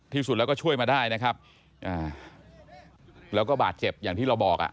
ที่สุดแล้วก็ช่วยมาได้นะครับอ่าแล้วก็บาดเจ็บอย่างที่เราบอกอ่ะ